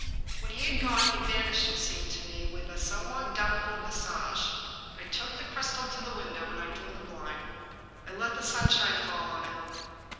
" When he had gone — he vanished, it seemed to me, with a somewhat doubtful visage — I took the crystal to the win dow. I drew the blind. I let the sunshine fall on it.